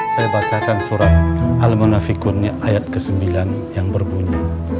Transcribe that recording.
saya bacakan surat al munafikunnya ayat ke sembilan yang berbunyi